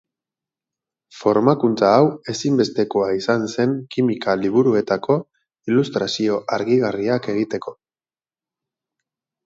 Formakuntza hau ezinbestekoa izan zen kimika liburuetako ilustrazio argigarriak egiteko.